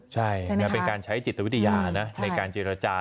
ใช่เป็นการใช้จิตวิทยานะในการเจรจา